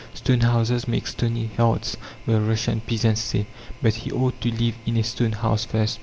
"Stone houses make stony hearts," the Russian peasants say. But he ought to live in a stone house first.